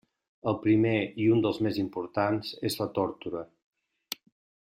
El primer, i un dels més importants, és la tórtora.